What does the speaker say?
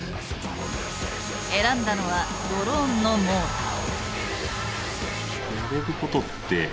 選んだのはドローンのモーター。